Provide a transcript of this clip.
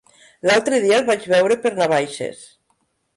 L'altre dia el vaig veure per Navaixes.